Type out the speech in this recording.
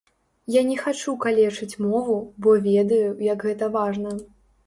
Я не хачу калечыць мову, бо ведаю, як гэта важна.